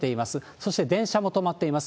そして電車も止まっています。